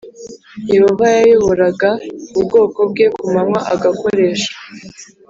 Yehova yayoboraga ubwoko bwe ku manywa agakoresha